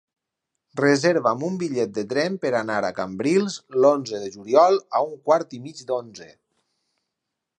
Reserva'm un bitllet de tren per anar a Cambrils l'onze de juliol a un quart i mig d'onze.